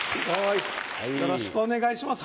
よろしくお願いします